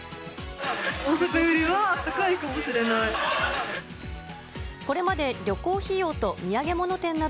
大阪よりは高いかもしれない。